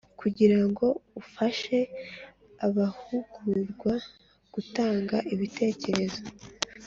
Kugira ngo ufashe abahugurwa gutanga ibitekerezo